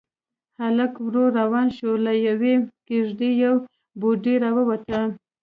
هلک ورو روان شو، له يوې کېږدۍ يوه بوډۍ راووته.